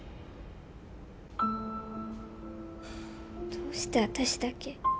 どうして私だけ。